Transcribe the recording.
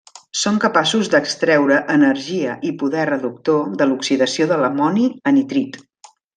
Són capaços d'extreure energia i poder reductor de l'oxidació de l'amoni a nitrit.